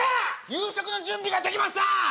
夕食の準備ができました